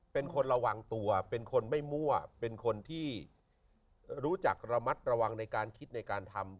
เป็นคนระวังตัวเป็นคนไม่มั่วเป็นคนที่รู้จักระมัดระวังในการคิดในการทำ